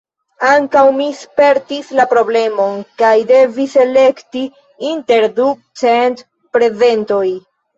Ankaŭ mi spertis la problemon, kaj devis elekti inter ducent prezentoj.